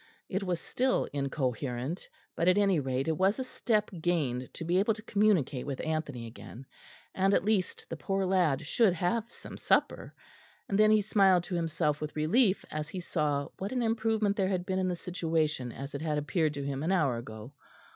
It was still incoherent; but, at any rate, it was a step gained to be able to communicate with Anthony again; and at least the poor lad should have some supper. And then he smiled to himself with relief as he saw what an improvement there had been in the situation as it had appeared to him an hour ago.